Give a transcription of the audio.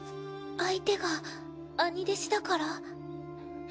相手が兄弟子だから？